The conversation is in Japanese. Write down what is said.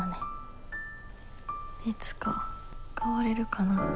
いつか変われるかな。